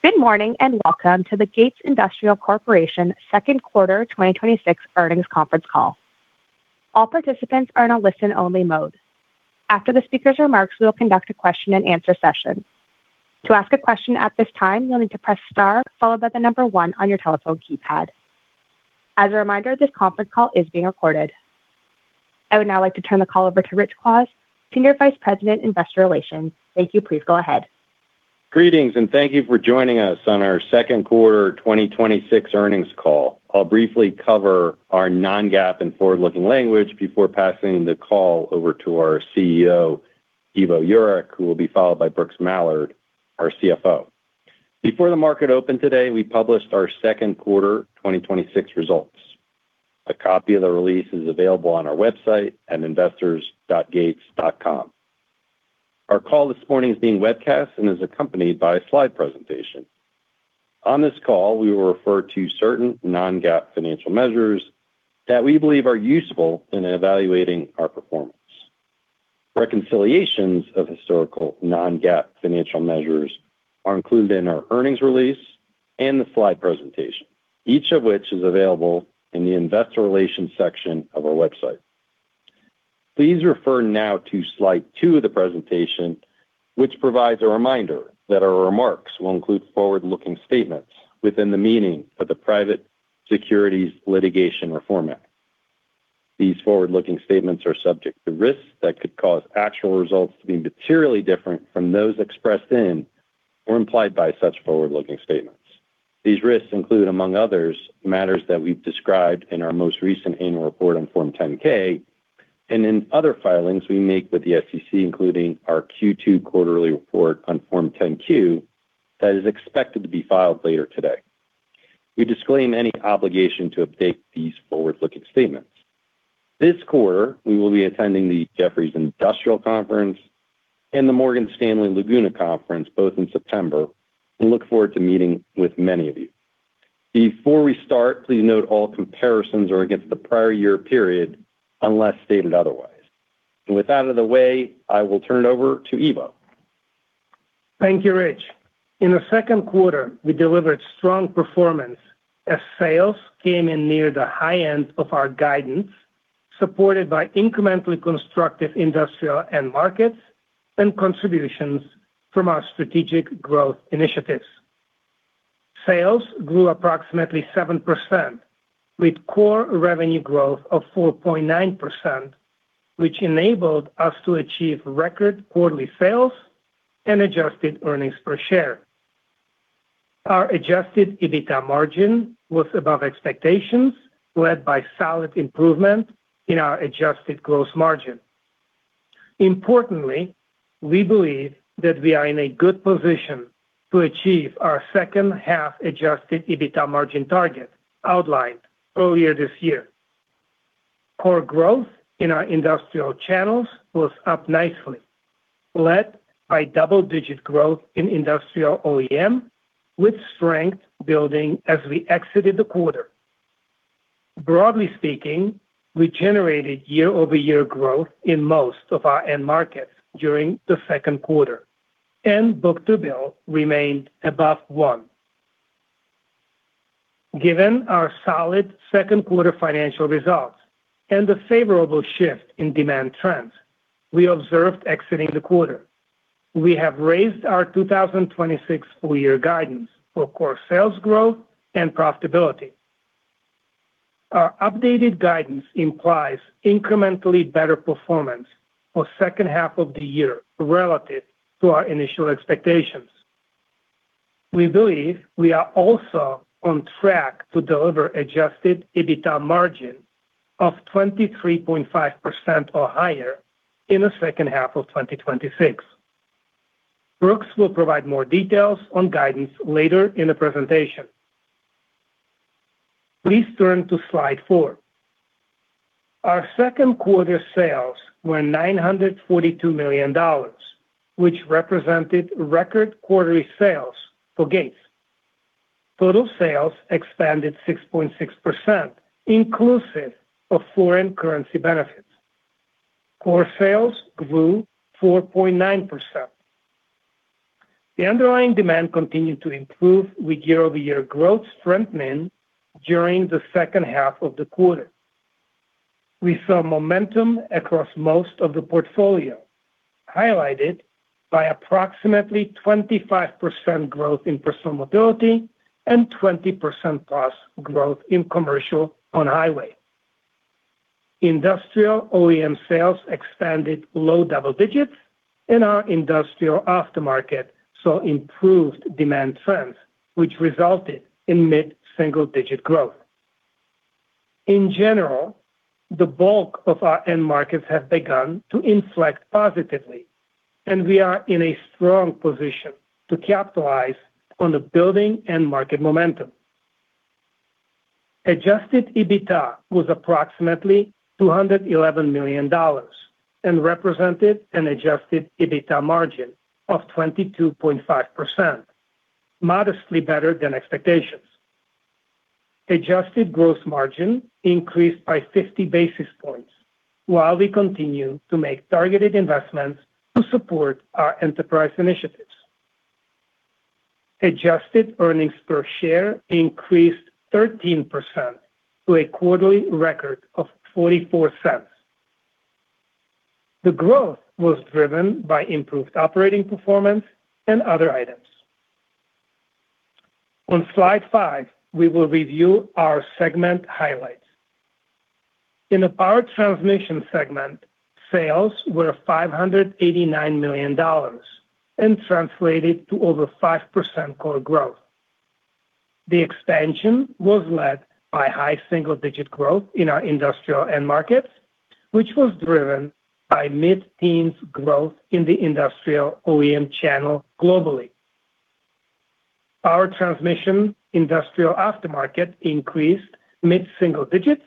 Good morning, and welcome to the Gates Industrial Corporation second quarter 2026 earnings conference call. All participants are in a listen-only mode. After the speaker's remarks, we will conduct a question-and-answer session. To ask a question at this time, you'll need to press star followed by the number one on your telephone keypad. As a reminder, this conference call is being recorded. I would now like to turn the call over to Rich Kwas, Senior Vice President, Investor Relations. Thank you. Please go ahead. Greetings and thank you for joining us on our second quarter 2026 earnings call. I'll briefly cover our non-GAAP and forward-looking language before passing the call over to our CEO, Ivo Jurek, who will be followed by Brooks Mallard, our CFO. Before the market opened today, we published our second quarter 2026 results. A copy of the release is available on our website at investors.gates.com. Our call this morning is being webcast and is accompanied by a slide presentation. On this call, we will refer to certain non-GAAP financial measures that we believe are useful in evaluating our performance. Reconciliations of historical non-GAAP financial measures are included in our earnings release and the slide presentation, each of which is available in the investor relations section of our website. Please refer now to slide two of the presentation, which provides a reminder that our remarks will include forward-looking statements within the meaning of the Private Securities Litigation Reform Act. These forward-looking statements are subject to risks that could cause actual results to be materially different from those expressed in or implied by such forward-looking statements. These risks include, among others, matters that we've described in our most recent annual report on Form 10-K and in other filings we make with the SEC, including our Q2 quarterly report on Form 10-Q that is expected to be filed later today. We disclaim any obligation to update these forward-looking statements. This quarter, we will be attending the Jefferies Industrials Conference and the Morgan Stanley Laguna Conference, both in September, and look forward to meeting with many of you. Before we start, please note all comparisons are against the prior year period, unless stated otherwise. With that of the way, I will turn it over to Ivo. Thank you, Rich. In the second quarter, we delivered strong performance as sales came in near the high end of our guidance, supported by incrementally constructive industrial end markets and contributions from our strategic growth initiatives. Sales grew approximately 7%, with core revenue growth of 4.9%, which enabled us to achieve record quarterly sales and adjusted earnings per share. Our adjusted EBITDA margin was above expectations, led by solid improvement in our adjusted gross margin. Importantly, we believe that we are in a good position to achieve our second half adjusted EBITDA margin target outlined earlier this year. Core growth in our industrial channels was up nicely, led by double-digit growth in industrial OEM, with strength building as we exited the quarter. Broadly speaking, we generated year-over-year growth in most of our end markets during the second quarter, and book-to-bill remained above one. Given our solid second quarter financial results and the favorable shift in demand trends we observed exiting the quarter, we have raised our 2026 full year guidance for core sales growth and profitability. Our updated guidance implies incrementally better performance for second half of the year relative to our initial expectations. We believe we are also on track to deliver adjusted EBITDA margin of 23.5% or higher in the second half of 2026. Brooks will provide more details on guidance later in the presentation. Please turn to slide four. Our second quarter sales were $942 million, which represented record quarterly sales for Gates. Total sales expanded 6.6%, inclusive of foreign currency benefits. Core sales grew 4.9%. The underlying demand continued to improve with year-over-year growth strengthening during the second half of the quarter. We saw momentum across most of the portfolio, highlighted by approximately 25% growth in personal mobility and 20%+ growth in commercial on-highway. Industrial OEM sales expanded low double digits, and our industrial aftermarket saw improved demand trends, which resulted in mid-single digit growth. In general, the bulk of our end markets have begun to inflect positively, and we are in a strong position to capitalize on the building end market momentum. Adjusted EBITDA was approximately $211 million and represented an adjusted EBITDA margin of 22.5%, modestly better than expectations. Adjusted gross margin increased by 50 basis points while we continue to make targeted investments to support our enterprise initiatives. Adjusted earnings per share increased 13% to a quarterly record of $0.44. The growth was driven by improved operating performance and other items. On slide five, we will review our segment highlights. In the Power Transmission segment, sales were $589 million and translated to over 5% core growth. The expansion was led by high single-digit growth in our industrial end markets, which was driven by mid-teens growth in the industrial OEM channel globally. Power Transmission industrial aftermarket increased mid-single digits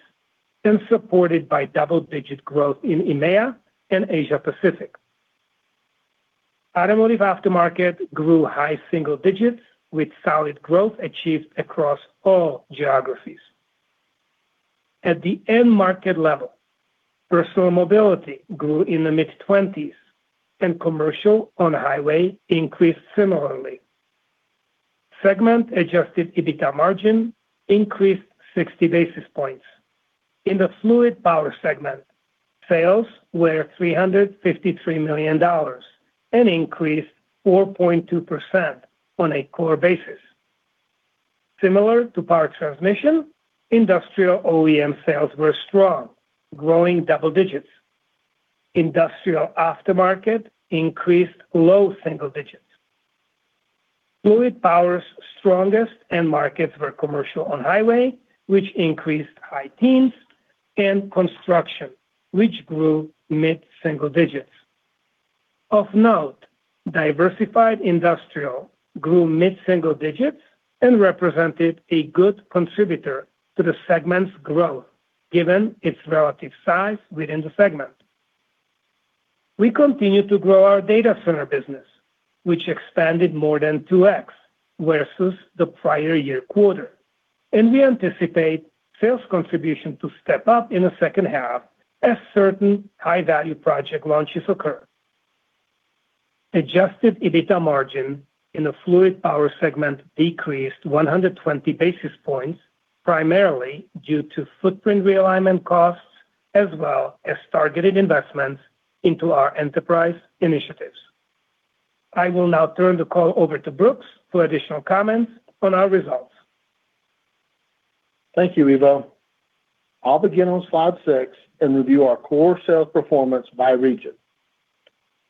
and supported by double-digit growth in EMEA and Asia-Pacific. Automotive aftermarket grew high single digits with solid growth achieved across all geographies. At the end market level, personal mobility grew in the mid-20s and commercial on-highway increased similarly. Segment adjusted EBITDA margin increased 60 basis points. In the Fluid Power segment, sales were $353 million and increased 4.2% on a core basis. Similar to Power Transmission, industrial OEM sales were strong, growing double digits. Industrial aftermarket increased low single digits. Fluid Power's strongest end markets were commercial on-highway, which increased high teens, and construction, which grew mid-single digits. Of note, diversified industrial grew mid-single digits and represented a good contributor to the segment's growth given its relative size within the segment. We continue to grow our data center business, which expanded more than 2x versus the prior year quarter and we anticipate sales contribution to step up in the second half as certain high-value project launches occur. Adjusted EBITDA margin in the Fluid Power segment decreased 120 basis points, primarily due to footprint realignment costs, as well as targeted investments into our enterprise initiatives. I will now turn the call over to Brooks for additional comments on our results. Thank you, Ivo. I'll begin on slide six and review our core sales performance by region.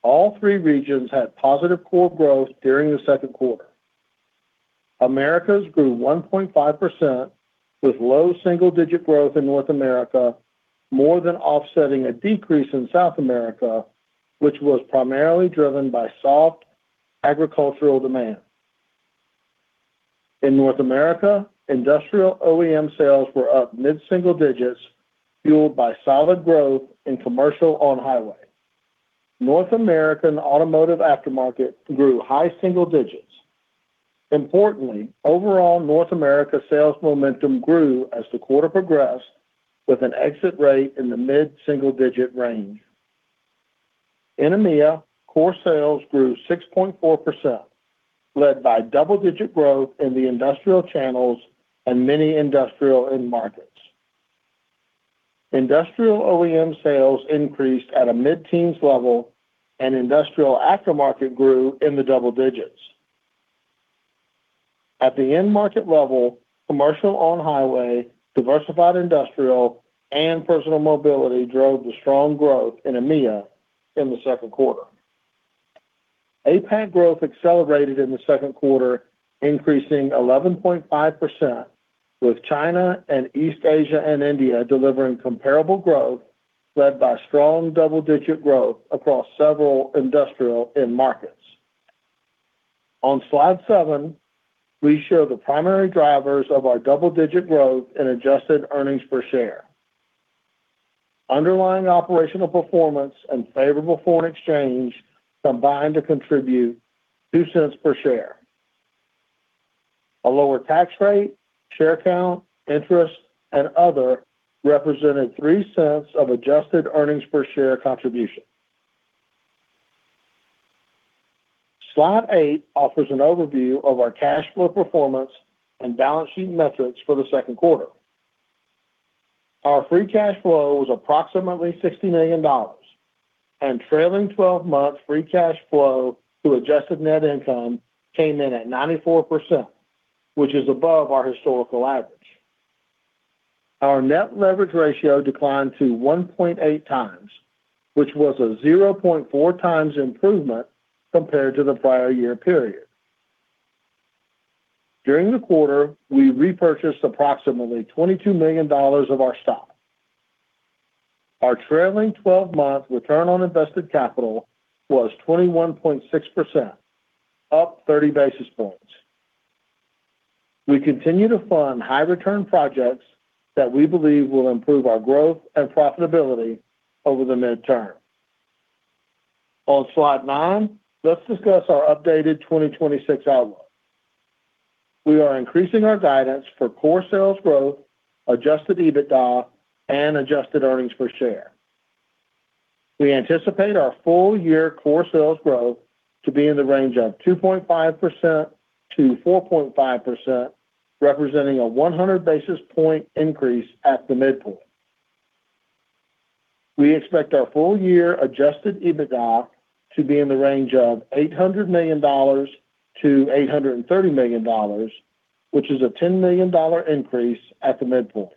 All three regions had positive core growth during the second quarter. Americas grew 1.5% with low double-digit growth in North America, more than offsetting a decrease in South America, which was primarily driven by soft agricultural demand. In North America, industrial OEM sales were up mid-single digits, fueled by solid growth in commercial on-highway. North American automotive aftermarket grew high single digits. Importantly, overall North America sales momentum grew as the quarter progressed with an an exit rate in the mid-single-digit range. In EMEA, core sales grew 6.4%, led by double-digit growth in the industrial channels and many industrial end markets. Industrial OEM sales increased at a mid-teens level, and industrial aftermarket grew in the double digits. At the end market level, commercial on-highway, diversified industrial, and personal mobility drove the strong growth in EMEA in the second quarter. APAC growth accelerated in the second quarter, increasing 11.5% with China and East Asia and India delivering comparable growth, led by strong double-digit growth across several industrial end markets. On slide seven, we show the primary drivers of our double-digit growth in adjusted earnings per share. Underlying operational performance and favorable foreign exchange combined to contribute $0.02 per share. A lower tax rate, share count, interest, and other represented $0.03 of adjusted earnings per share contribution. Slide eight offers an overview of our cash flow performance and balance sheet metrics for the second quarter. Our free cash flow was approximately $60 million. Trailing 12-month free cash flow to adjusted net income came in at 94%, which is above our historical average. Our net leverage ratio declined to 1.8x, which was a 0.4x improvement compared to the prior year period. During the quarter, we repurchased approximately $22 million of our stock. Our trailing 12-month return on invested capital was 21.6%, up 30 basis points. We continue to fund high-return projects that we believe will improve our growth and profitability over the midterm. On slide nine, let's discuss our updated 2026 outlook. We are increasing our guidance for core sales growth, adjusted EBITDA, and adjusted earnings per share. We anticipate our full year core sales growth to be in the range of 2.5%-4.5%, representing a 100 basis point increase at the midpoint. We expect our full year adjusted EBITDA to be in the range of $800 million-$830 million, which is a $10 million increase at the midpoint.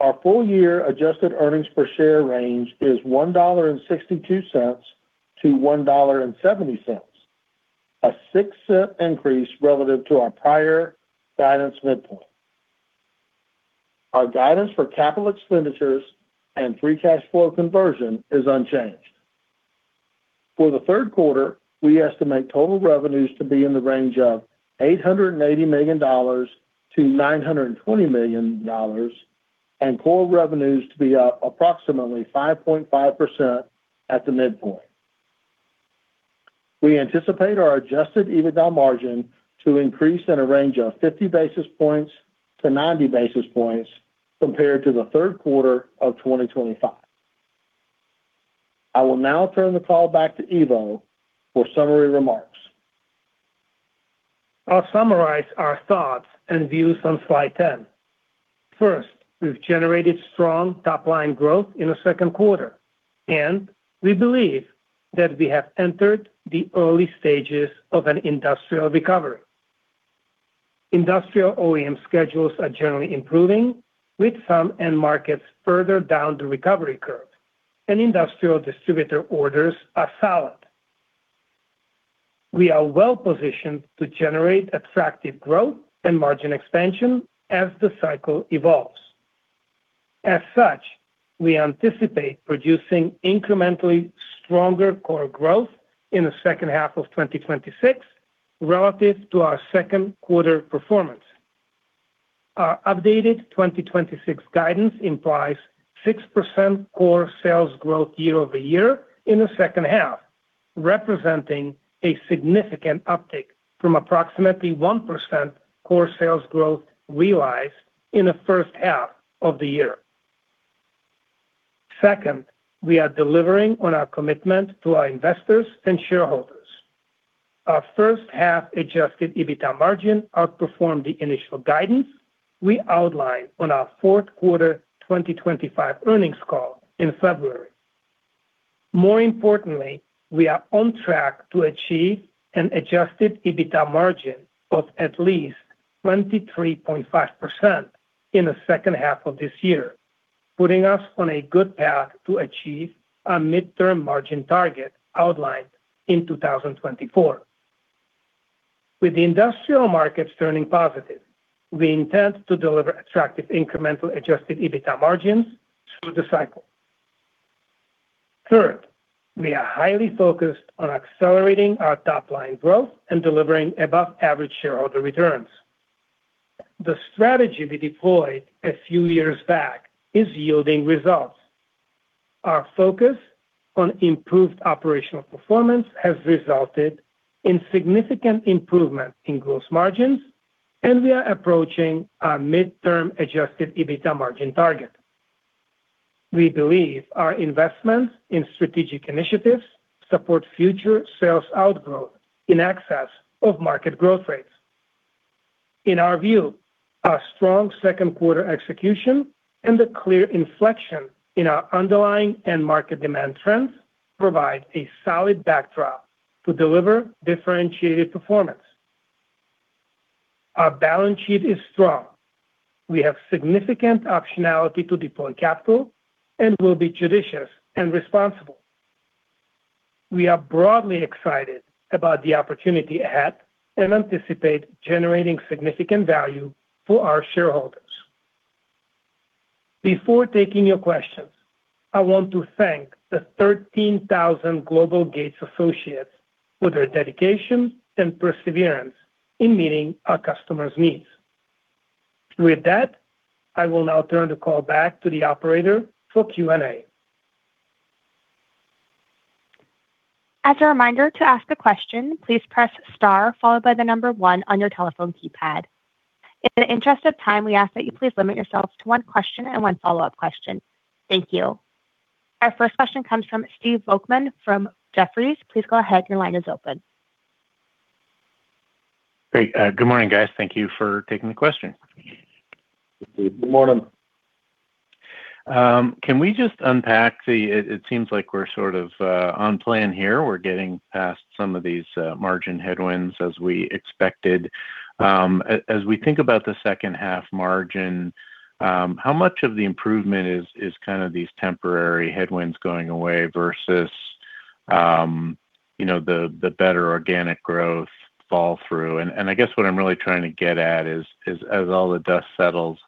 Our full year adjusted earnings per share range is $1.62-$1.70, a $0.06 increase relative to our prior guidance midpoint. Our guidance for capital expenditures and free cash flow conversion is unchanged. For the third quarter, we estimate total revenues to be in the range of $880 million-$920 million, and core revenues to be up approximately 5.5% at the midpoint. We anticipate our adjusted EBITDA margin to increase in a range of 50 basis points to 90 basis points compared to the third quarter of 2025. I will now turn the call back to Ivo for summary remarks. I'll summarize our thoughts and views on slide 10. First, we've generated strong top-line growth in the second quarter. We believe that we have entered the early stages of an industrial recovery. Industrial OEM schedules are generally improving with some end markets further down the recovery curve. Industrial distributor orders are solid. We are well-positioned to generate attractive growth and margin expansion as the cycle evolves. As such, we anticipate producing incrementally stronger core growth in the second half of 2026 relative to our second quarter performance. Our updated 2026 guidance implies 6% core sales growth year-over-year in the second half, representing a significant uptick from approximately 1% core sales growth realized in the first half of the year. Second, we are delivering on our commitment to our investors and shareholders. Our first half adjusted EBITDA margin outperformed the initial guidance we outlined on our fourth quarter 2025 earnings call in February. More importantly, we are on track to achieve an adjusted EBITDA margin of at least 23.5% in the second half of this year, putting us on a good path to achieve our midterm margin target outlined in 2024. With the industrial markets turning positive, we intend to deliver attractive incremental adjusted EBITDA margins through the cycle. Third, we are highly focused on accelerating our top-line growth and delivering above average shareholder returns. The strategy we deployed a few years back is yielding results. Our focus on improved operational performance has resulted in significant improvement in gross margins and we are approaching our midterm adjusted EBITDA margin target. We believe our investments in strategic initiatives support future sales outgrowth in excess of market growth rates. In our view, our strong second quarter execution and the clear inflection in our underlying end market demand trends provide a solid backdrop to deliver differentiated performance. Our balance sheet is strong. We have significant optionality to deploy capital and will be judicious and responsible. We are broadly excited about the opportunity at hand and anticipate generating significant value for our shareholders. Before taking your questions, I want to thank the 13,000 global Gates associates for their dedication and perseverance in meeting our customers' needs. With that, I will now turn the call back to the operator for Q&A. As a reminder, to ask a question, please press star followed by the number one on your telephone keypad. In the interest of time, we ask that you please limit yourself to one question and one follow-up question. Thank you. Our first question comes from Steve Volkmann from Jefferies. Please go ahead. Your line is open. Great. Good morning, guys. Thank you for taking the question. Steve, good morning. Can we just unpack it seems like we're sort of on plan here. We're getting past some of these margin headwinds as we expected. As we think about the second half margin, how much of the improvement is kind of these temporary headwinds going away versus the better organic growth fall through? I guess what I'm really trying to get at is, as all the dust settles,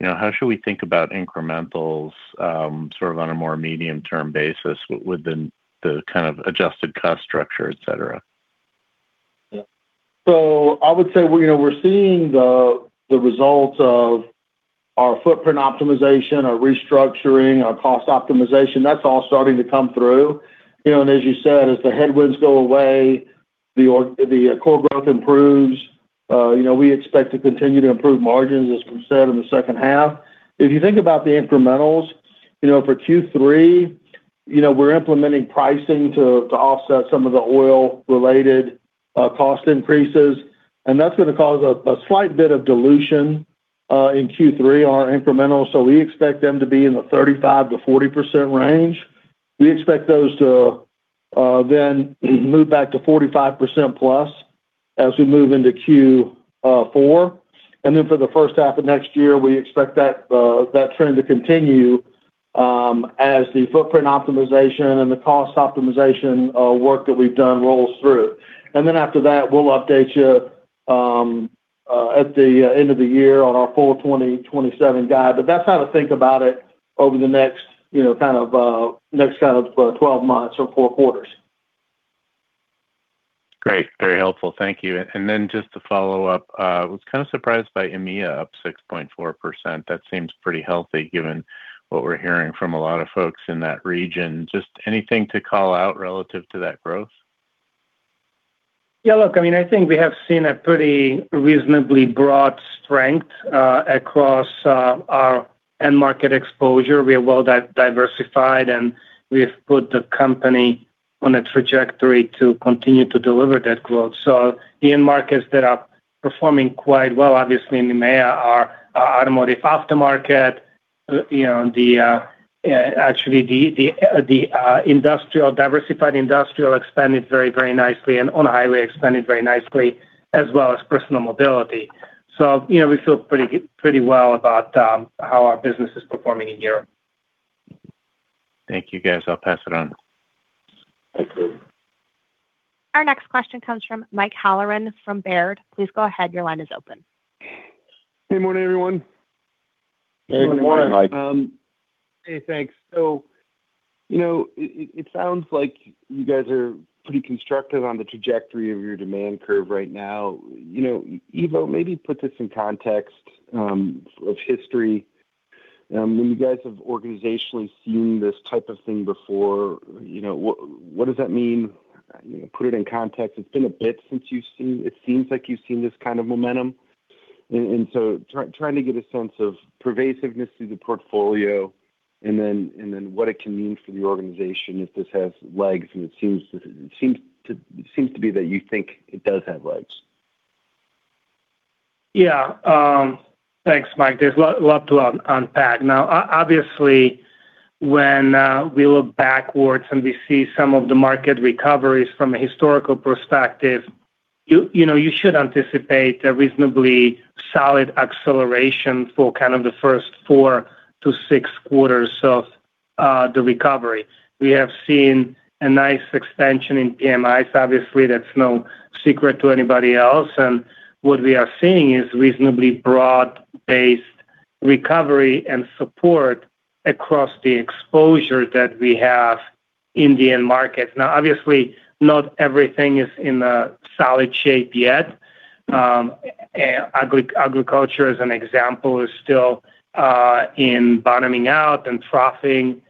how should we think about incrementals sort of on a more medium-term basis within the kind of adjusted cost structure, etc.? I would say we're seeing the results of our footprint optimization, our restructuring, our cost optimization. That's all starting to come through. As you said, as the headwinds go away, the core growth improves. We expect to continue to improve margins, as we said, in the second half. If you think about the incrementals, for Q3, we're implementing pricing to offset some of the oil-related cost increases, and that's going to cause a slight bit of dilution in Q3, our incremental so we expect them to be in the 35%-40% range. We expect those to move back to 45%+ as we move into Q4. For the first half of next year, we expect that trend to continue as the footprint optimization and the cost optimization work that we've done rolls through. After that, we'll update you at the end of the year on our full 2027 guide. That's how to think about it over the next kind of 12 months or four quarters. Great. Very helpful. Thank you. Just to follow up, I was kind of surprised by EMEA up 6.4%. That seems pretty healthy given what we're hearing from a lot of folks in that region. Just anything to call out relative to that growth? Yeah, look, I think we have seen a pretty reasonably broad strength across our end market exposure. We are well-diversified, and we have put the company on a trajectory to continue to deliver that growth. The end markets that are performing quite well, obviously in EMEA, are automotive aftermarket. Actually, the diversified industrial expanded very nicely and on a highway expanded very nicely as well as personal mobility. We feel pretty well about how our business is performing in Europe. Thank you, guys. I'll pass it on. Our next question comes from Mike Halloran from Baird. Please go ahead. Your line is open. Good morning, everyone. Good morning, Mike. Hey, good morning, Mike. Hey, thanks. It sounds like you guys are pretty constructive on the trajectory of your demand curve right now. Ivo, maybe put this in context of history. When you guys have organizationally seen this type of thing before, what does that mean? Put it in context. It's been a bit since it seems like you've seen this kind of momentum. Trying to get a sense of pervasiveness through the portfolio and then what it can mean for the organization if this has legs, and it seems to be that you think it does have legs. Yeah. Thanks, Mike. There's a lot to unpack. Obviously, when we look backwards and we see some of the market recoveries from a historical perspective, you should anticipate a reasonably solid acceleration for kind of the first four to six quarters of the recovery. We have seen a nice extension in PMIs. Obviously, that's no secret to anybody else. What we are seeing is reasonably broad-based recovery and support across the exposure that we have in the end markets. Obviously, not everything is in a solid shape yet. Agriculture, as an example, is still in bottoming out and troughing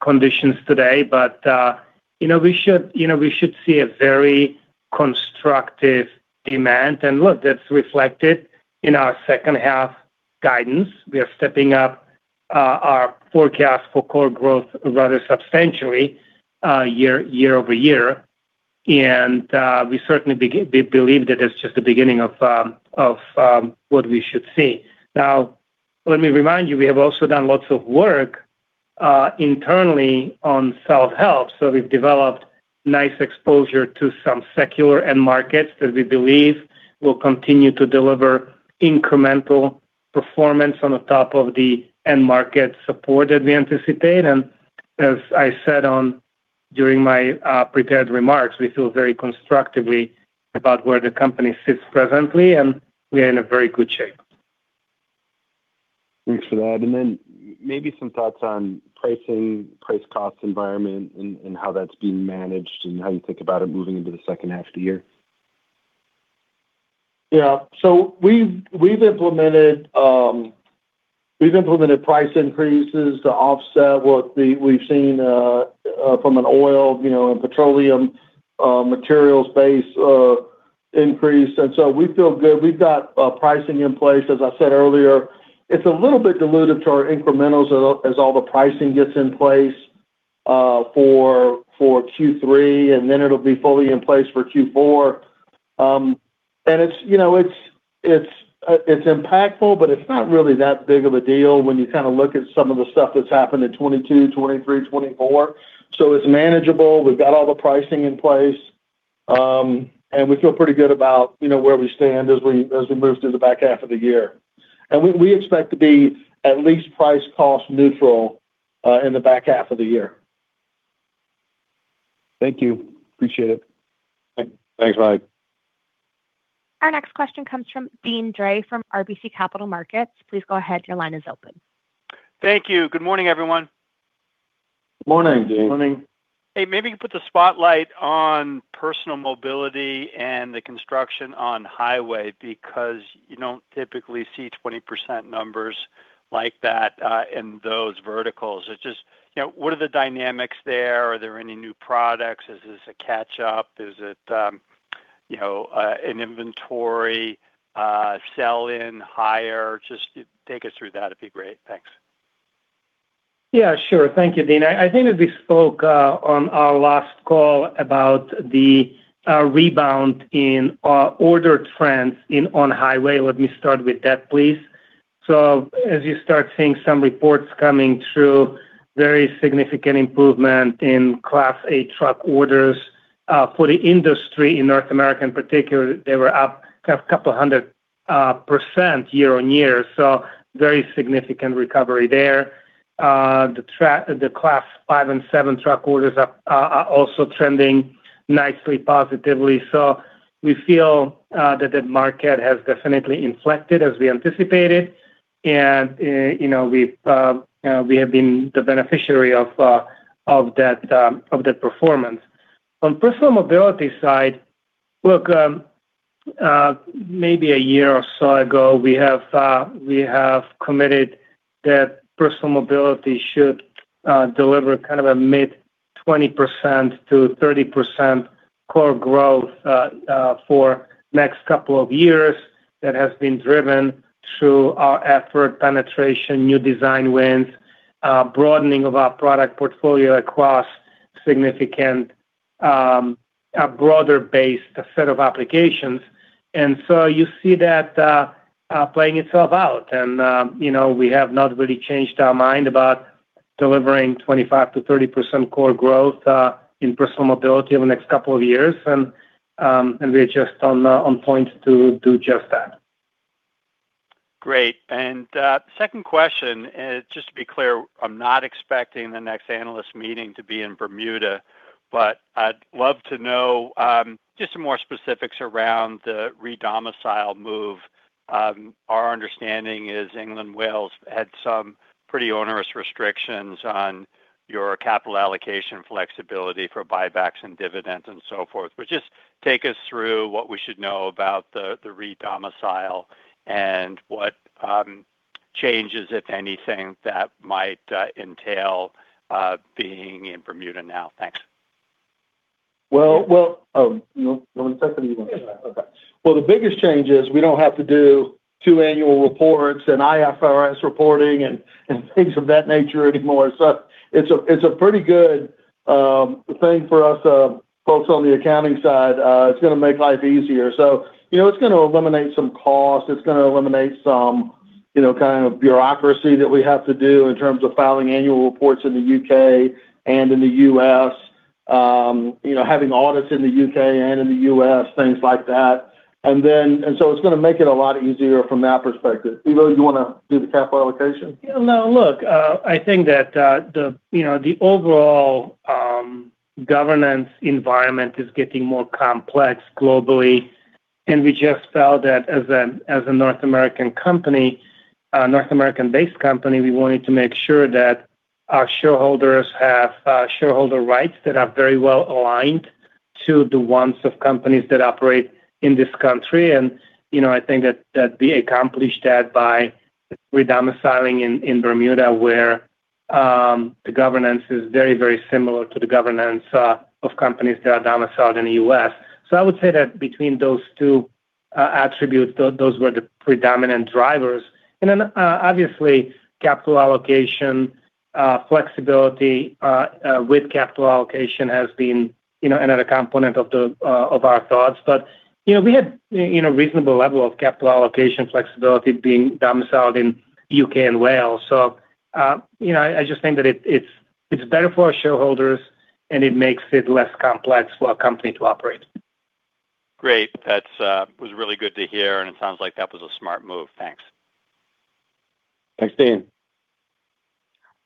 conditions today. We should see a very constructive demand. Look, that's reflected in our second half guidance. We are stepping up our forecast for core growth rather substantially year-over-year and we certainly believe that it's just the beginning of what we should see. Now, let me remind you, we have also done lots of work internally on self-help. We've developed nice exposure to some secular end markets that we believe will continue to deliver incremental performance on the top of the end market support that we anticipate. As I said during my prepared remarks, we feel very constructively about where the company sits presently, and we are in a very good shape. Thanks for that. Then maybe some thoughts on pricing, price cost environment, and how that's being managed and how you think about it moving into the second half of the year. Yeah. We've implemented price increases to offset what we've seen from an oil and petroleum materials base increase. We feel good. We've got pricing in place. As I said earlier, it's a little bit dilutive to our incrementals as all the pricing gets in place for Q3, and then it'll be fully in place for Q4. It's impactful, but it's not really that big of a deal when you look at some of the stuff that's happened in 2022, 2023, 2024, so it's manageable. We've got all the pricing in place. We feel pretty good about where we stand as we move through the back half of the year. We expect to be at least price cost neutral in the back half of the year. Thank you. Appreciate it. Thanks, Mike Our next question comes from Deane Dray from RBC Capital Markets. Please go ahead. Your line is open. Thank you. Good morning, everyone. Morning, Deane. Morning. Hey, maybe you can put the spotlight on personal mobility and the construction on highway, because you don't typically see 20% numbers like that in those verticals. What are the dynamics there? Are there any new products? Is this a catch-up? Is it an inventory sell in higher? Just take us through that, it'd be great. Thanks. Yeah, sure. Thank you, Deane. I think that we spoke on our last call about the rebound in ordered trends in on highway. Let me start with that, please. As you start seeing some reports coming through, very significant improvement in Class 8 truck orders for the industry in North America, in particular, they were up a couple of 100% year-on-year. Very significant recovery there. The Class 5 and 7 truck orders are also trending nicely positively, so we feel that the market has definitely inflected as we anticipated. We have been the beneficiary of that performance. On personal mobility side, look, maybe a year or so ago, we have committed that personal mobility should deliver a mid 20%-30% core growth for next couple of years that has been driven through our effort, penetration, new design wins, broadening of our product portfolio across significant, broader base set of applications. You see that playing itself out. We have not really changed our mind about delivering 25%-30% core growth in personal mobility over the next couple of years and we're just on point to do just that. Great. Second question, just to be clear, I'm not expecting the next analyst meeting to be in Bermuda, but I'd love to know just some more specifics around the redomicile move. Our understanding is England, Wales had some pretty onerous restrictions on your capital allocation flexibility for buybacks and dividends and so forth. Just take us through what we should know about the redomicile and what changes, if anything, that might entail being in Bermuda now. Thanks. Well, the biggest change is we don't have to do two annual reports and IFRS reporting and things of that nature anymore. It's a pretty good thing for us folks on the accounting side. It's going to make life easier. It's going to eliminate some costs. It's going to eliminate some kind of bureaucracy that we have to do in terms of filing annual reports in the U.K. and in the U.S., having audits in the U.K. and in the U.S., things like that and then it's going to make it a lot easier from that perspective. Ivo, do you want to do the capital allocation? Yeah, no, look, I think that the overall governance environment is getting more complex globally, and we just felt that as a North American-based company, we wanted to make sure that our shareholders have shareholder rights that are very well aligned to the ones of companies that operate in this country. I think that we accomplished that by redomiciling in Bermuda, where the governance is very similar to the governance of companies that are domiciled in the U.S. I would say that between those two attributes, those were the predominant drivers. Obviously, capital allocation flexibility with capital allocation has been another component of our thoughts but we had reasonable level of capital allocation flexibility being domiciled in U.K. and Wales. I just think that it's better for our shareholders, and it makes it less complex for our company to operate. Great. That was really good to hear, and it sounds like that was a smart move. Thanks. Thanks, Deane.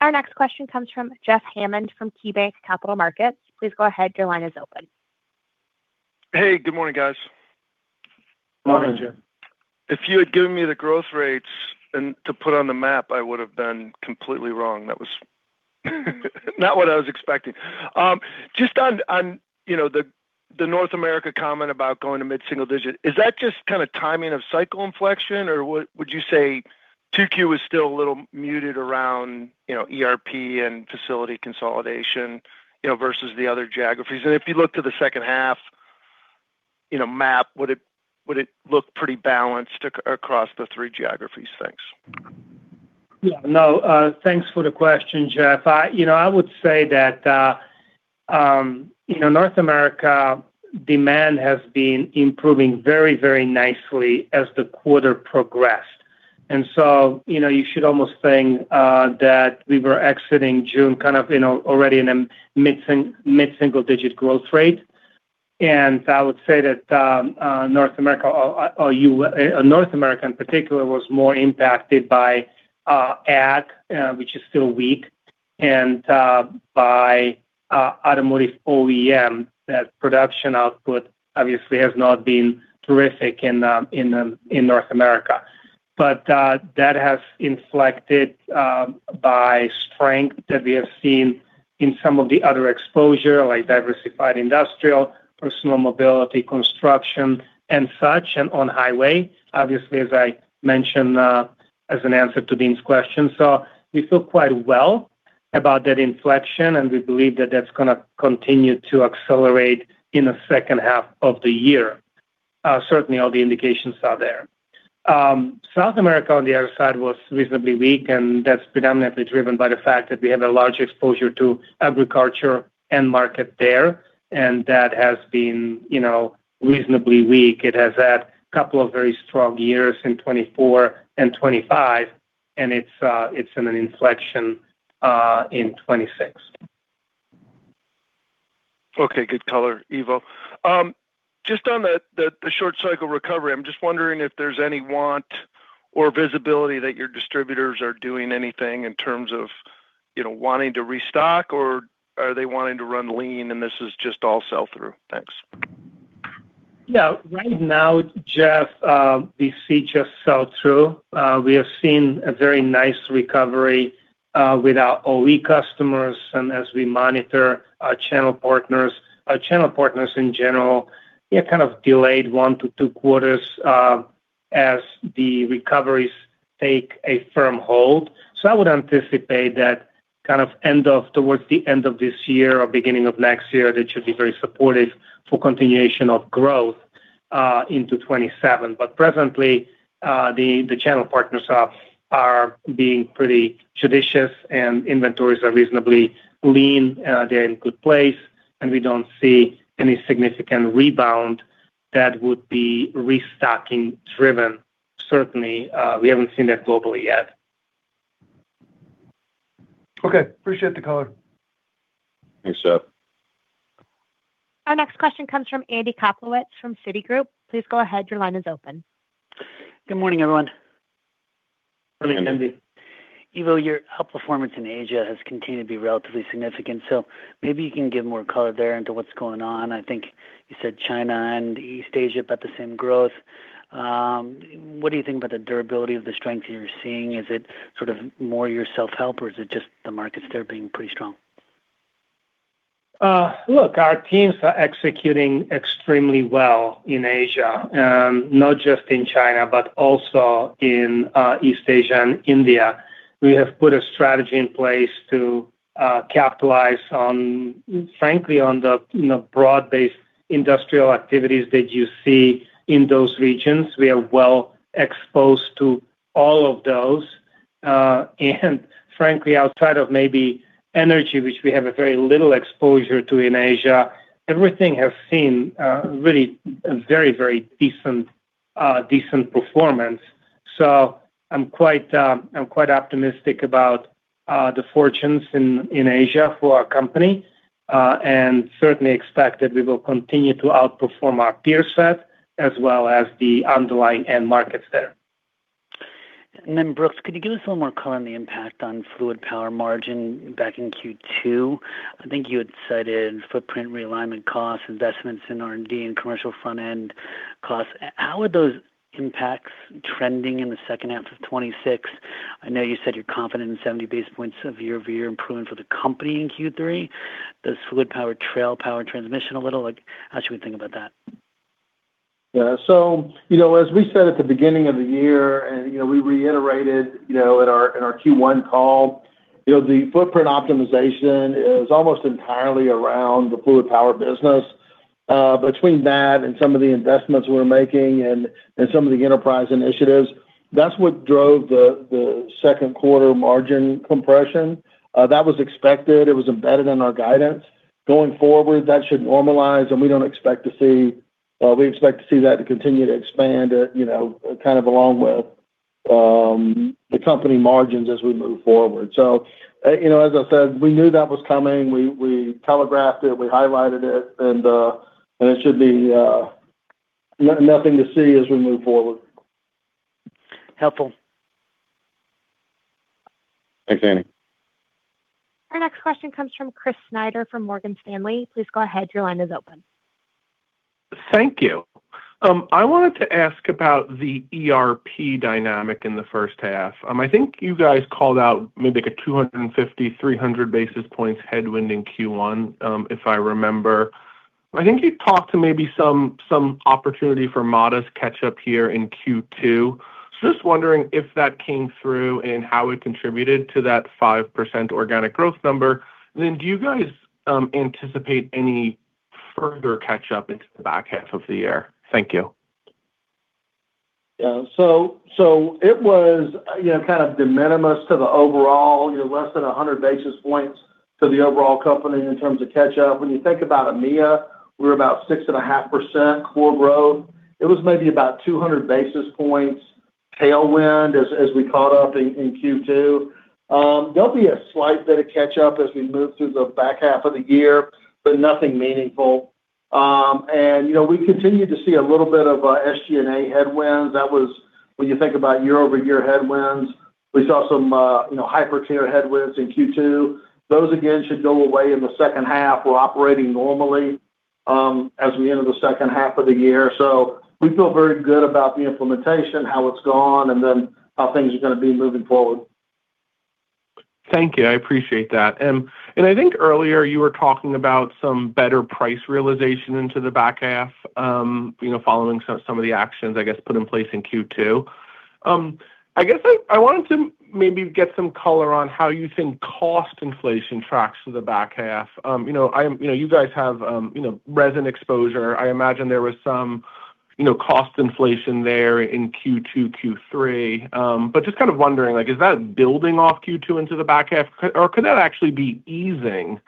Our next question comes from Jeff Hammond from KeyBanc Capital Markets. Please go ahead. Your line is open. Hey, good morning, guys. Morning, Jeff. Morning. If you had given me the growth rates to put on the map, I would've been completely wrong. That was not what I was expecting. Just on the North America comment about going to mid-single digit, is that just kind of timing of cycle inflection, or would you say 2Q is still a little muted around ERP and facility consolidation versus the other geographies? If you look to the second half map, would it look pretty balanced across the three geographies? Thanks. Yeah. No, thanks for the question, Jeff. I would say that North America demand has been improving very nicely as the quarter progressed. You should almost think that we were exiting June kind of already in a mid-single digit growth rate. I would say that North America, in particular, was more impacted by ag, which is still weak, and by automotive OEM, that production output obviously has not been terrific in North America. That has inflected by strength that we have seen in some of the other exposure, like diversified industrial, personal mobility, construction, and such, and on highway, obviously, as I mentioned, as an answer to Deane's question. We feel quite well about that inflection, and we believe that that's going to continue to accelerate in the second half of the year. Certainly all the indications are there. South America, on the other side, was reasonably weak, and that's predominantly driven by the fact that we have a large exposure to agriculture end market there, and that has been reasonably weak. It has had a couple of very strong years in 2024 and 2025, and it's in an inflection, in 2026. Okay. Good color, Ivo. Just on the short-cycle recovery, I'm just wondering if there's any want or visibility that your distributors are doing anything in terms of wanting to restock, or are they wanting to run lean and this is just all sell-through? Thanks. Yeah. Right now, Jeff, we see just sell-through. We have seen a very nice recovery with our OE customers and as we monitor our channel partners. Our channel partners, in general, kind of delayed one to two quarters as the recoveries take a firm hold. I would anticipate that towards the end of this year or beginning of next year, they should be very supportive for continuation of growth into 2027. Presently, the channel partners are being pretty judicious and inventories are reasonably lean. They're in a good place, and we don't see any significant rebound that would be restocking driven. Certainly, we haven't seen that globally yet. Okay. Appreciate the color. Thanks, Jeff. Our next question comes from Andy Kaplowitz from Citigroup. Please go ahead, your line is open. Good morning, everyone. Morning, Andy. Ivo, your outperformance in Asia has continued to be relatively significant. Maybe you can give more color there into what's going on. I think you said China and East Asia, about the same growth. What do you think about the durability of the strength that you're seeing? Is it sort of more your self-help, or is it just the markets there being pretty strong? Look, our teams are executing extremely well in Asia. Not just in China, but also in East Asia and India. We have put a strategy in place to capitalize, frankly, on the broad-based industrial activities that you see in those regions. We are well-exposed to all of those. Frankly, outside of maybe energy, which we have a very little exposure to in Asia, everything has seen a really very decent performance. I'm quite optimistic about the fortunes in Asia for our company, and certainly expect that we will continue to outperform our peer set as well as the underlying end markets there. Brooks, could you give us a little more color on the impact on Fluid Power margin back in Q2? I think you had cited footprint realignment costs, investments in R&D, and commercial front-end costs. How are those impacts trending in the second half of 2026? I know you said you're confident in 70 basis points of year-over-year improvement for the company in Q3. Does Fluid Power trail Power Transmission a little? How should we think about that? Yeah. As we said at the beginning of the year, and we reiterated in our Q1 call, the footprint optimization is almost entirely around the Fluid Power business. Between that and some of the investments we're making, and some of the enterprise initiatives, that's what drove the second quarter margin compression. That was expected. It was embedded in our guidance. Going forward, that should normalize, and we expect to see that continue to expand kind of along with the company margins as we move forward. As I said, we knew that was coming. We telegraphed it, we highlighted it, and it should be nothing to see as we move forward. Helpful. Thanks, Andy. Our next question comes from Chris Snyder from Morgan Stanley. Please go ahead, your line is open. Thank you. I wanted to ask about the ERP dynamic in the first half. I think you guys called out maybe like a 250, 300 basis points headwind in Q1, if I remember. I think you talked to maybe some opportunity for modest catch-up here in Q2. Just wondering if that came through and how it contributed to that 5% organic growth number and then do you guys anticipate any further catch-up into the back half of the year? Thank you. Yeah. It was kind of de minimis to the overall, less than 100 basis points to the overall company in terms of catch-up. When you think about EMEA, we were about 6.5% core growth. It was maybe about 200 basis points tailwind as we caught up in Q2. There'll be a slight bit of catch-up as we move through the back half of the year, but nothing meaningful. We continue to see a little bit of, SG&A headwind. That was- when you think about year-over-year headwinds, we saw some hyper tier headwinds in Q2. Those again should go away in the second half. We're operating normally as we enter the second half of the year. We feel very good about the implementation, how it's gone, and then how things are going to be moving forward. Thank you. I appreciate that. I think earlier you were talking about some better price realization into the back half following some of the actions, I guess, put in place in Q2. I guess I wanted to maybe get some color on how you think cost inflation tracks to the back half. You guys have resin exposure. I imagine there was some cost inflation there in Q2, Q3, but just kind of wondering, is that building off Q2 into the back half or could that actually be easing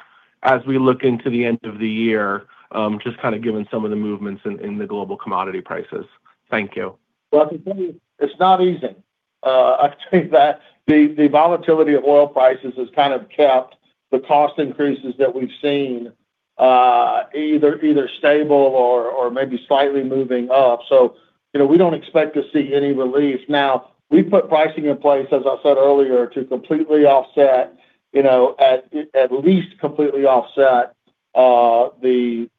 as we look into the end of the year, just given some of the movements in the global commodity prices? Thank you. Well, I can tell you it's not easing. I can tell you that the volatility of oil prices has kind of kept the cost increases that we've seen either stable or maybe slightly moving up. We don't expect to see any relief. Now, we put pricing in place, as I said earlier, to at least completely offset the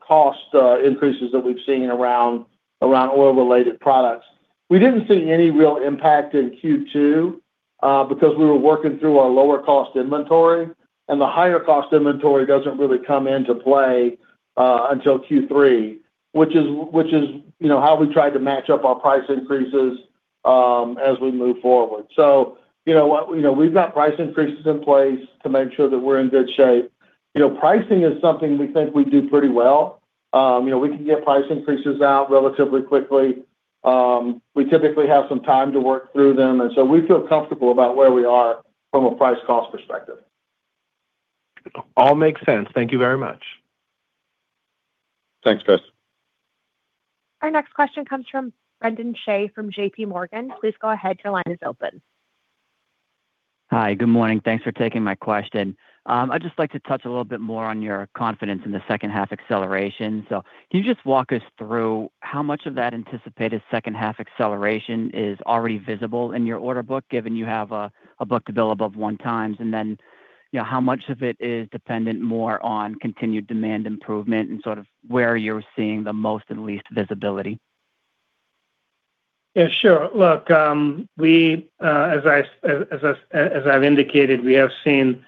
cost increases that we've seen around oil-related products. We didn't see any real impact in Q2 because we were working through our lower cost inventory, and the higher cost inventory doesn't really come into play until Q3, which is how we tried to match up our price increases as we move forward. We've got price increases in place to make sure that we're in good shape. Pricing is something we think we do pretty well. We can get price increases out relatively quickly. We typically have some time to work through them and so we feel comfortable about where we are from a price cost perspective. All makes sense. Thank you very much. Thanks, Chris. Our next question comes from Brendan Shea from JPMorgan. Please go ahead. Your line is open. Hi. Good morning. Thanks for taking my question. I'd just like to touch a little bit more on your confidence in the second half acceleration. Can you just walk us through how much of that anticipated second half acceleration is already visible in your order book, given you have a book-to-bill above one times, and then how much of it is dependent more on continued demand improvement and sort of where you're seeing the most and least visibility? Yeah, sure. Look, as I've indicated, we have seen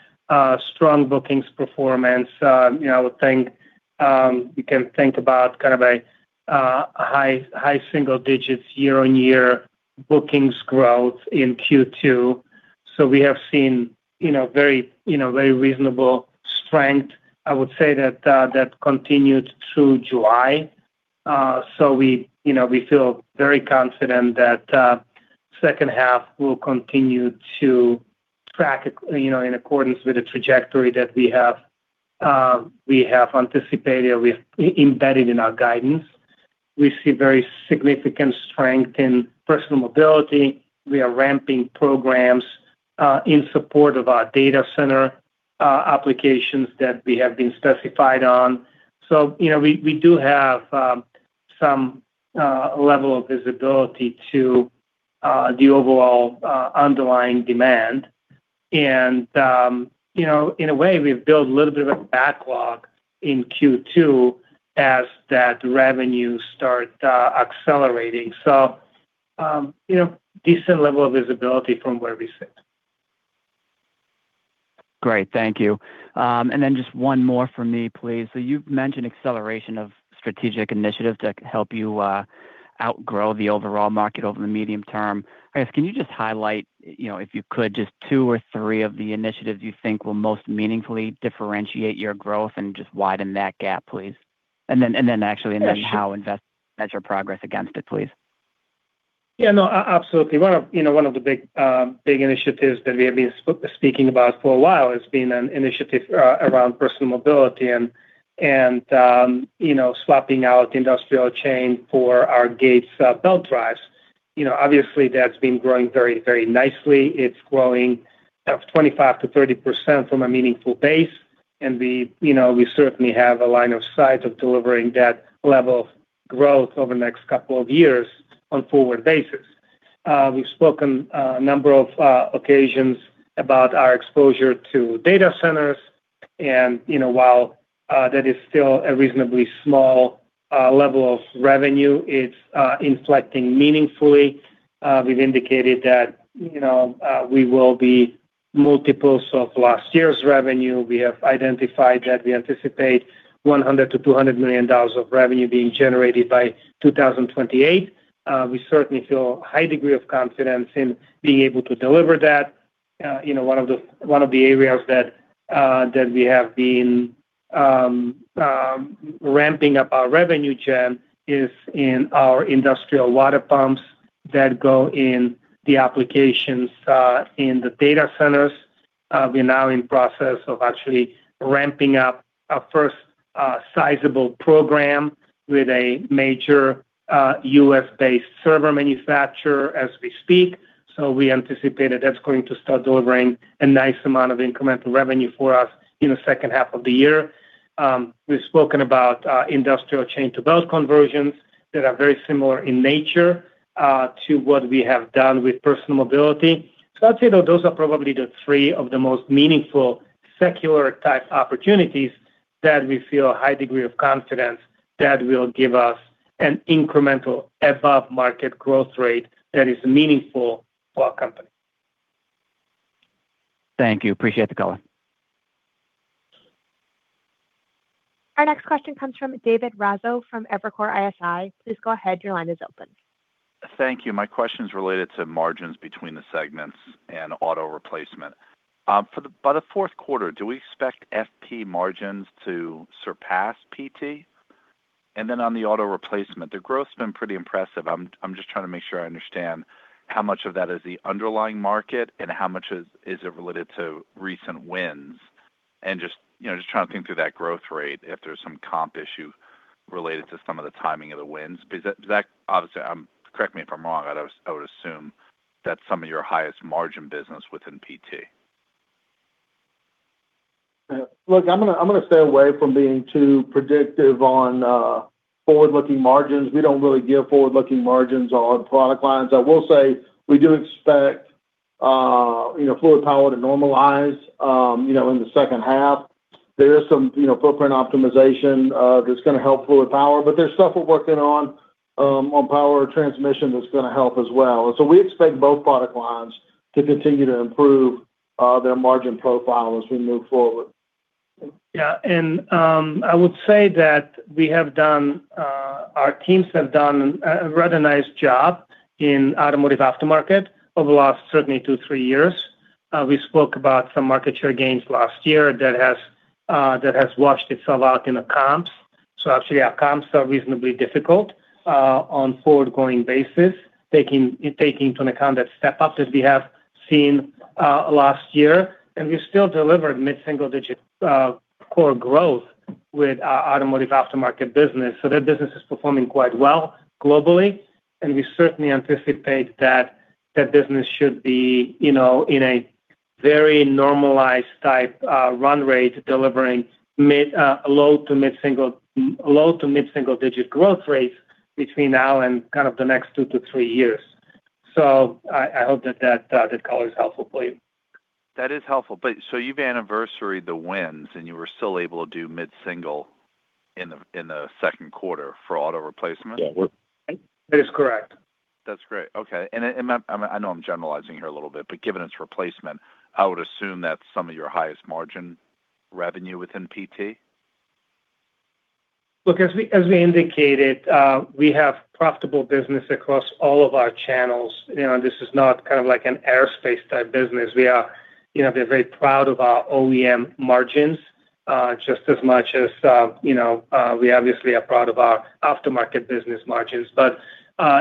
strong bookings performance. You can think about kind of a high single digits year-over-year bookings growth in Q2. We have seen very reasonable strength. I would say that continued through July. We feel very confident that second half will continue to track in accordance with the trajectory that we have anticipated or we've embedded in our guidance. We see very significant strength in personal mobility. We are ramping programs in support of our data center applications that we have been specified on. We do have some level of visibility to the overall underlying demand and, in a way, we've built a little bit of a backlog in Q2 as that revenue start accelerating. Decent level of visibility from where we sit. Great. Thank you. Just one more from me, please. You've mentioned acceleration of strategic initiatives that can help you outgrow the overall market over the medium term. I guess, can you just highlight, if you could, just two or three of the initiatives you think will most meaningfully differentiate your growth and just widen that gap, please- Yeah, sure. ...and then actually how invest measure progress against it, please. Yeah. No, absolutely. One of the big initiatives that we have been speaking about for a while has been an initiative around personal mobility and swapping out the industrial chain for our Gates belt drives. Obviously, that's been growing very nicely. It's growing up 25%-30% from a meaningful base, and we certainly have a line of sight of delivering that level of growth over the next couple of years on forward basis. We've spoken a number of occasions about our exposure to data centers, and while that is still a reasonably small level of revenue, it's inflecting meaningfully. We've indicated that we will be multiples of last year's revenue. We have identified that we anticipate $100 million-$200 million of revenue being generated by 2028. We certainly feel a high degree of confidence in being able to deliver that. One of the areas that we have been ramping up our revenue gen is in our industrial water pumps that go in the applications in the data centers. We're now in process of actually ramping up our first sizable program with a major U.S.-based server manufacturer as we speak. We anticipate that that's going to start delivering a nice amount of incremental revenue for us in the second half of the year. We've spoken about industrial chain-to-belt conversions that are very similar in nature to what we have done with personal mobility. I'd say those are probably the three of the most meaningful secular type opportunities that we feel a high degree of confidence that will give us an incremental above market growth rate that is meaningful for our company. Thank you. Appreciate the color. Our next question comes from David Raso from Evercore ISI. Please go ahead. Your line is open. Thank you. My question's related to margins between the segments and auto replacement. By the fourth quarter, do we expect FP margins to surpass PT? And then on the auto replacement, the growth's been pretty impressive. I'm just trying to make sure I understand how much of that is the underlying market and how much is it related to recent wins and just trying to think through that growth rate if there's some comp issue related to some of the timing of the wins. That- obviously, correct me if I'm wrong, I would assume that's some of your highest margin business within PT. Look, I'm going to stay away from being too predictive on forward-looking margins. We don't really give forward-looking margins on product lines. I will say, we do expect Fluid Power to normalize in the second half. There is some footprint optimization that's going to help Fluid Power, but there's stuff we're working on Power Transmission that's going to help as well. We expect both product lines to continue to improve their margin profile as we move forward. Yeah. I would say that our teams have done a rather nice job in automotive aftermarket over the last certainly two, three years. We spoke about some market share gains last year that has washed itself out in the comps. Actually our comps are reasonably difficult on forward going basis, taking into account that step up that we have seen last year. We still delivered mid-single digit core growth with our automotive aftermarket business. That business is performing quite well globally, and we certainly anticipate that that business should be in a very normalized type run rate, delivering low to mid-single digit growth rates between now and the next two to three years. I hope that that color is helpful for you. That is helpful. You've anniversaried the wins, and you were still able to do mid-single in the second quarter for auto replacement? Yeah. That is correct. That's great. Okay. I know I'm generalizing here a little bit, but given it's replacement, I would assume that's some of your highest margin revenue within PT? Look, as we indicated, we have profitable business across all of our channels. This is not like an aerospace type business. We are very proud of our OEM margins, just as much as we obviously are proud of our aftermarket business margins.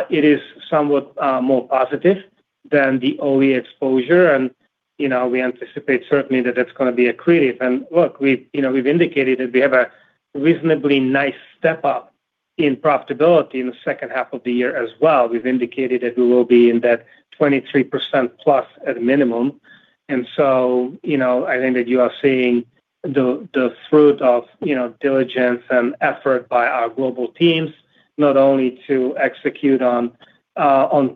It is somewhat more positive than the OE exposure, and we anticipate certainly that that's going to be accretive. Look, we've indicated that we have a reasonably nice step-up in profitability in the second half of the year as well. We've indicated that we will be in that 23%+ at a minimum. I think that you are seeing the fruit of diligence and effort by our global teams, not only to execute on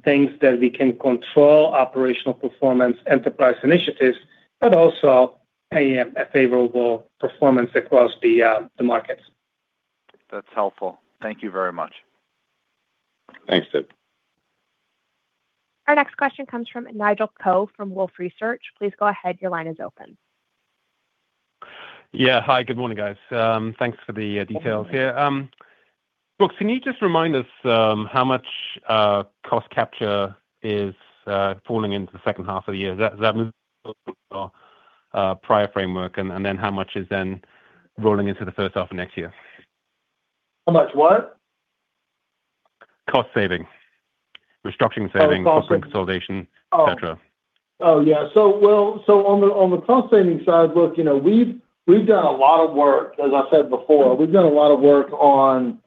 things that we can control, operational performance, enterprise initiatives, but also a favorable performance across the markets. That's helpful. Thank you very much Thanks, David. Our next question comes from Nigel Coe from Wolfe Research. Please go ahead. Your line is open. Yeah. Hi, good morning, guys. Thanks for the details here. Look, can you just remind us how much cost capture is falling into the second half of the year? Does that move prior framework, and then how much is then rolling into the first half of next year? How much what? Cost savings, restructuring savings- Oh, cost- ....cost consolidation, etc. Oh, yeah. On the cost savings side, look, we've done a lot of work, as I said before. We've done a lot of work on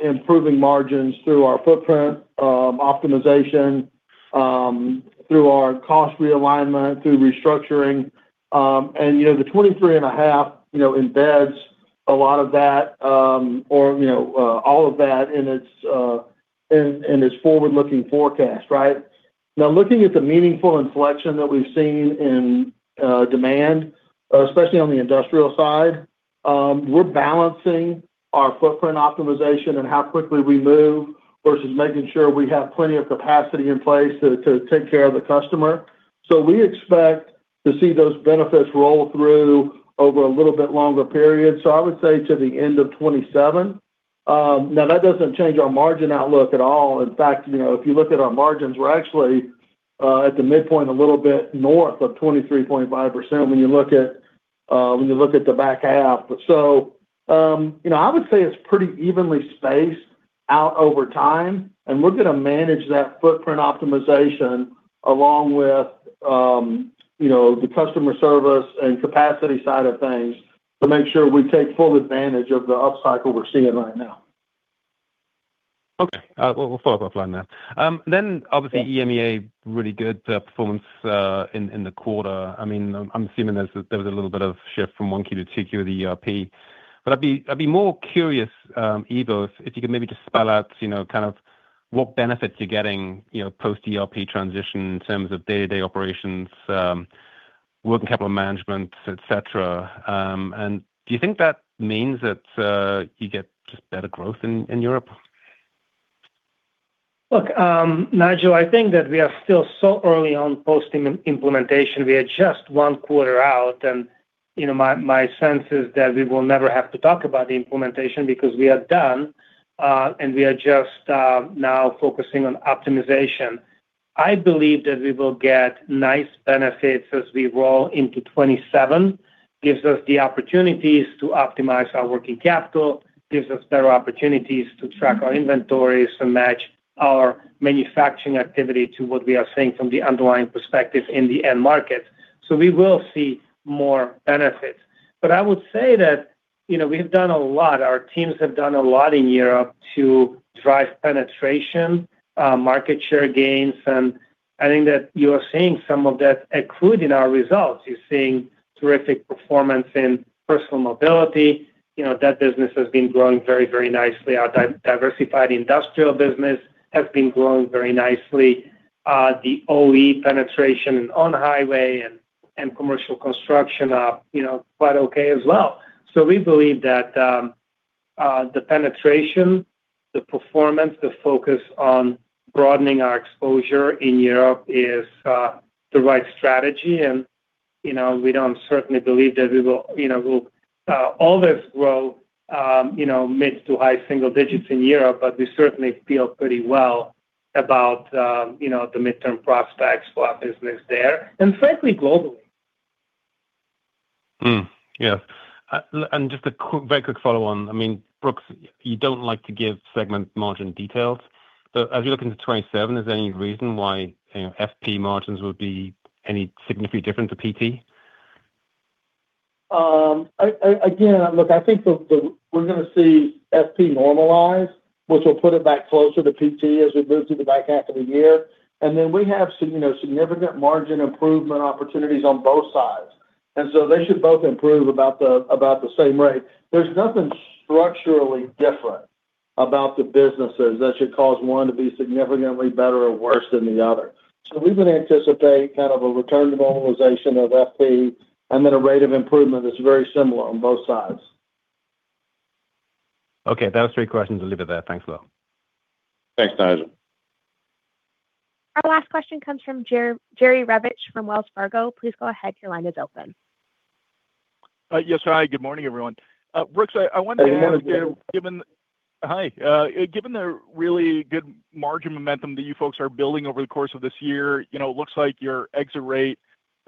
improving margins through our footprint optimization, through our cost realignment, through restructuring. The 23.5% embeds a lot of that, or all of that in its forward-looking forecast, right? Now looking at the meaningful inflection that we've seen in demand, especially on the industrial side, we're balancing our footprint optimization and how quickly we move versus making sure we have plenty of capacity in place to take care of the customer. We expect to see those benefits roll through over a little bit longer period. I would say to the end of 2027. That doesn't change our margin outlook at all. In fact, if you look at our margins, we're actually at the midpoint a little bit north of 23.5% when you look at the back half. I would say it's pretty evenly spaced out over time, and we're going to manage that footprint optimization along with the customer service and capacity side of things to make sure we take full advantage of the up cycle we're seeing right now. Okay. We'll follow up offline then. Obviously EMEA, really good performance in the quarter. I'm assuming there was a little bit of shift from 1Q to 2Q with the ERP. I'd be more curious, Ivo, if you could maybe just spell out kind of what benefits you're getting post-ERP transition in terms of day-to-day operations, working capital management, etc. Do you think that means that you get just better growth in Europe? Look, Nigel, I think that we are still so early on post-implementation. We are just one quarter out, and my sense is that we will never have to talk about the implementation because we are done, and we are just now focusing on optimization. I believe that we will get nice benefits as we roll into 2027. Gives us the opportunities to optimize our working capital, gives us better opportunities to track our inventories, to match our manufacturing activity to what we are seeing from the underlying perspective in the end market. We will see more benefits. I would say that we have done a lot. Our teams have done a lot in Europe to drive penetration, market share gains, and I think that you are seeing some of that accrued in our results. You're seeing terrific performance in personal mobility. That business has been growing very nicely. Our diversified industrial business has been growing very nicely. The OE penetration in on-highway and commercial construction are quite okay as well. We believe that the penetration, the performance, the focus on broadening our exposure in Europe is the right strategy and we don't certainly believe that we'll always grow mid to high single digits in Europe, but we certainly feel pretty well about the midterm prospects for our business there and frankly, globally. Yes. Just a very quick follow on. Brooks, you don't like to give segment margin details, but as you look into 2027, is there any reason why FP margins would be any significantly different to PT? Again, look, I think we're going to see FP normalize, which will put it back closer to PT as we move through the back half of the year and then we have significant margin improvement opportunities on both sides. They should both improve about the same rate. There's nothing structurally different about the businesses that should cause one to be significantly better or worse than the other. We would anticipate kind of a return to normalization of FP, and then a rate of improvement that's very similar on both sides. Okay. That was three questions. I'll leave it there. Thanks a lot. Thanks, Nigel. Our last question comes from Jerry Revich from Wells Fargo. Please go ahead, your line is open. Yes. Hi, good morning, everyone. Brooks, I wanted to ask- Hey, Jerry. Hi. Given the really good margin momentum that you folks are building over the course of this year, it looks like your exit rate,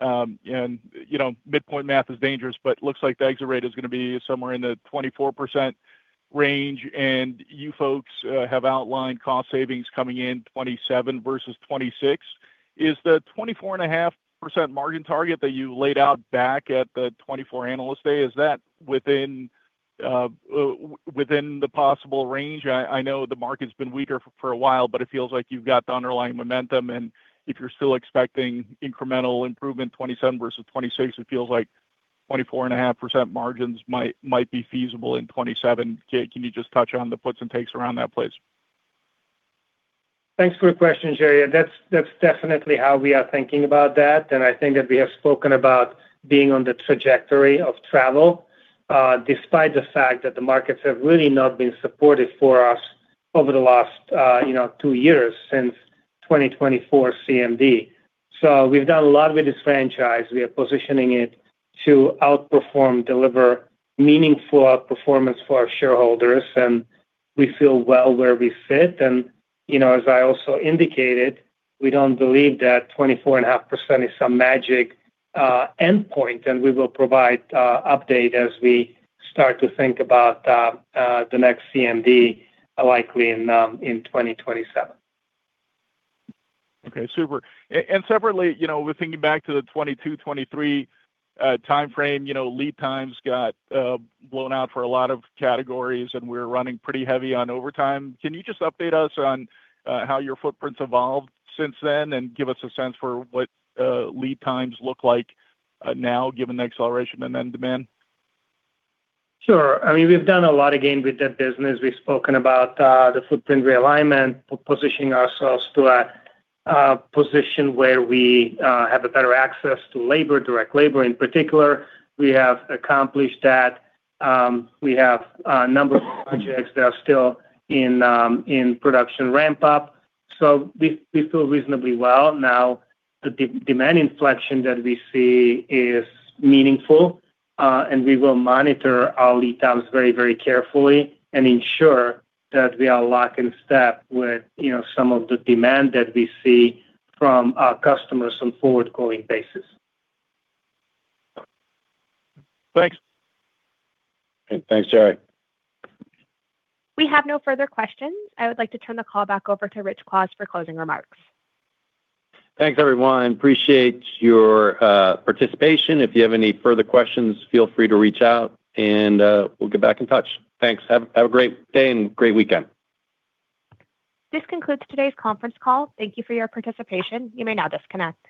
midpoint math is dangerous, but looks like the exit rate is going to be somewhere in the 24% range. You folks have outlined cost savings coming in 2027 versus 2026. Is the 24.5% margin target that you laid out back at the 2024 Analyst Day, is that within the possible range? I know the market's been weaker for a while, but it feels like you've got the underlying momentum, and if you're still expecting incremental improvement in 2027 versus 2026, it feels like 24.5% margins might be feasible in 2027. Can you just touch on the puts and takes around that, please? Thanks for the question, Jerry. That's definitely how we are thinking about that. I think that we have spoken about being on the trajectory of travel, despite the fact that the markets have really not been supportive for us over the last two years, since 2024 CMD. We've done a lot with this franchise. We are positioning it to outperform, deliver meaningful outperformance for our shareholders. We feel well where we fit. As I also indicated, we don't believe that 24.5% is some magic endpoint and we will provide update as we start to think about the next CMD, likely in 2027. Okay, super. Separately, with thinking back to the 2022/2023 timeframe, lead times got blown out for a lot of categories. We're running pretty heavy on overtime. Can you just update us on how your footprint's evolved since then and give us a sense for what lead times look like now given the acceleration and end demand? Sure. We've done a lot again with that business. We've spoken about the footprint realignment, positioning ourselves to a position where we have a better access to labor, direct labor in particular. We have accomplished that. We have a number of projects that are still in production ramp-up. We feel reasonably well. The demand inflection that we see is meaningful. We will monitor our lead times very carefully and ensure that we are lock in step with some of the demand that we see from our customers on forward-going basis. Thanks. Thanks, Jerry. We have no further questions. I would like to turn the call back over to Rich Kwas for closing remarks. Thanks, everyone. Appreciate your participation. If you have any further questions, feel free to reach out, and we'll get back in touch. Thanks. Have a great day and great weekend. This concludes today's conference call. Thank you for your participation. You may now disconnect.